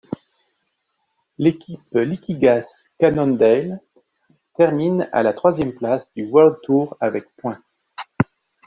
L'équipe Liquigas-Cannondale termine à la troisième place du World Tour avec points.